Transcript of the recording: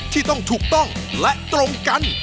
ที่ต้องถูกต้องและตรงกัน